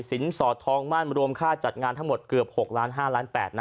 สอดทองมั่นรวมค่าจัดงานทั้งหมดเกือบ๖ล้าน๕ล้าน๘นะ